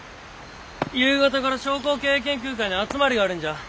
夕方から商工経営研究会の集まりがあるんじゃ。